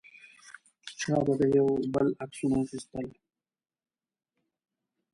چا به د یو بل عکسونه اخیستل.